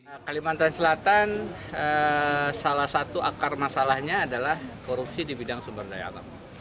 nah kalimantan selatan salah satu akar masalahnya adalah korupsi di bidang sumber daya alam